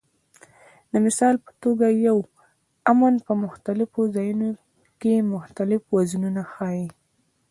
د مثال په توګه یو "امن" په مختلفو ځایونو کې مختلف وزنونه ښيي.